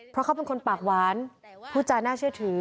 เพราะเขาเป็นคนปากหวานพูดจาน่าเชื่อถือ